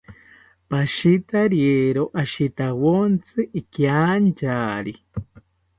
Pashitariero ashitawontzi ikiantyari